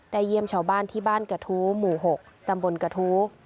เยี่ยมชาวบ้านที่บ้านกระทู้หมู่๖ตำบลกระทู้